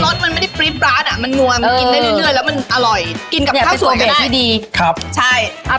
แล้วมันไม่ได้ปรีบร้านอ่ะมันหนัวมันกินได้เรื่อยแล้วมันอร่อยกินกับข้าวสวยได้